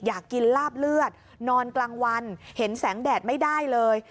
อยากกินลาบเลือดนอนกลางวันเห็นแสงแดดไม่ได้เลย